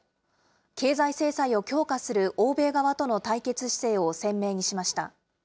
経済制裁を強化する欧米側との対決姿勢を鮮明にしました。